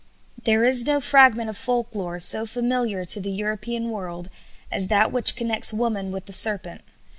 There is no fragment of folk lore so familiar to the European world as that which connects woman with the serpent.